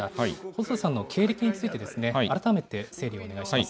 細田さんの経歴について、改めて整理をお願いします。